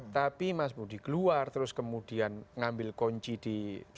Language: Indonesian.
tapi mas budi keluar terus kemudian ngambil kunci di